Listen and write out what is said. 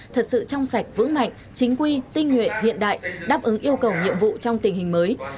thật sự trong sạch vững mạnh chính quy tinh nguyện hiện đại đáp ứng yêu cầu nhiệm vụ trong tình hình mới